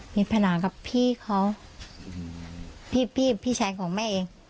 มีภานะกับพี่เขาพี่ชายของแม่เอง